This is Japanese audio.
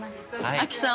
アキさん